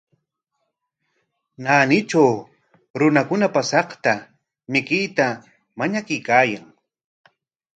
Naanitraw runakuna paasaqta mikuyta mañakuykaayan.